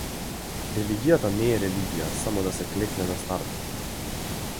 Религијата не е религија - само да се клекне на стартот.